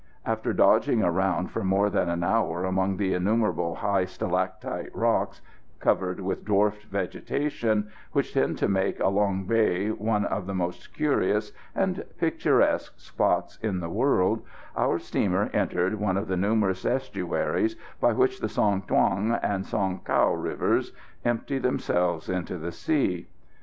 After dodging around for more than an hour among the innumerable high stalactite rocks, covered with dwarfed vegetation, which tend to make Along Bay one of the most curious and picturesque spots in the world, our steamer entered one of the numerous estuaries by which the Song Thuong and Song Cau rivers empty themselves into the sea.